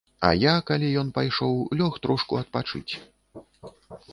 А я, калі ён пайшоў, лёг трошку адпачыць.